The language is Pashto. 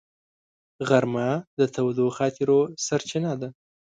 غرمه د تودو خاطرو سرچینه ده